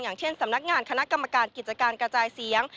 อย่างเช่นสำนักงานคณะกรรมการกิจการกระจายเสียง